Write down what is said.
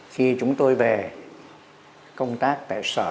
khi chúng tôi về công tác tệ sở